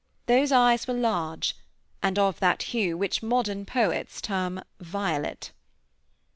Those eyes were large, and of that hue which modern poets term "violet."